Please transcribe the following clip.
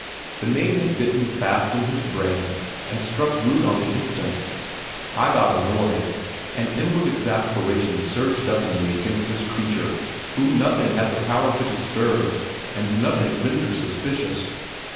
The name had bitten fast in his brain and struck root on the instant. I got annoyed; an inward exasperation surged up in me against this creature whom nothing had the power to disturb and nothing render suspicious.